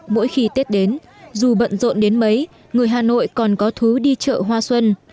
mỗi khi tết đến dù bận rộn đến mấy người hà nội còn có thứ đi chợ hoa xuân